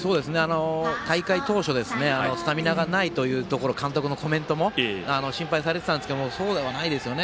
大会当初スタミナがないという監督のコメントも心配されていたんですけどそうではないですよね。